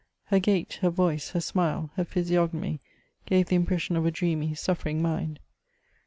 Her gait, her Toice, her smile, her physiognomy, gave the impression of a dreamy, suffering mind.